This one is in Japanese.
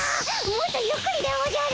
もっとゆっくりでおじゃる！